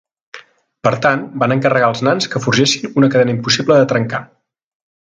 Per tant, van encarregar als nans que forgessin una cadena impossible de trencar.